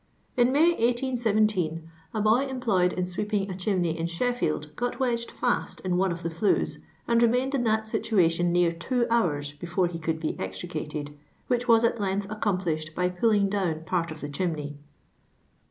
" In May, 1817, a boy employed in sweeping a chimney in Sheffield got wedged &st in one of the flues, and remained in that situation near two hours before he could be extricated, which was at length accomplished by pulling down part of the chimney."